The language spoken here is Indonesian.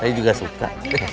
saya juga suka